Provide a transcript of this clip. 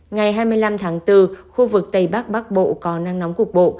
ngày hai mươi năm tháng bốn khu vực tây bắc bắc bộ có nắng nóng cục bộ